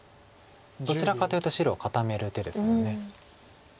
どちらかというと白を固める手ですよね。